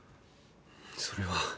それは。